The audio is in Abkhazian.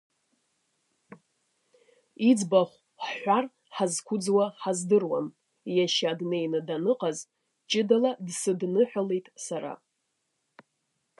Иӡбахә ҳҳәар ҳазқәыӡуа ҳаздыруам, иашьа днеины даныҟаз, ҷыдала дсыдныҳәалеит сара…